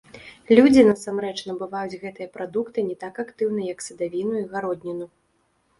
Людзі насамрэч набываюць гэтыя прадукты не так актыўна, як садавіну і гародніну.